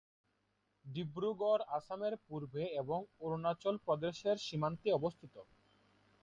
ডিব্রুগড় আসামের পূর্বে এবং অরুণাচল প্রদেশের সীমান্তে অবস্থিত।